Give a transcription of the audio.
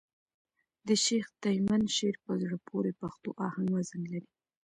د شېخ تیمن شعر په زړه پوري پښتو آهنګ وزن لري.